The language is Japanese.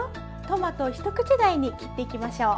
トマトを一口大に切っていきましょう。